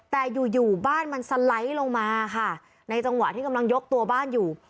แต่อยู่อยู่บ้านมันสไลด์ลงมาค่ะในจังหวะที่กำลังยกตัวบ้านอยู่